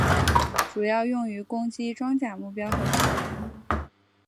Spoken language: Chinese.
主要用于攻击装甲目标和人员。